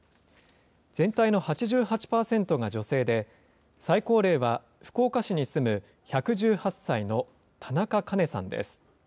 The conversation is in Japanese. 全体の８８％が女性で、最高齢は福岡市に住む１１８歳の田中カ子さんです。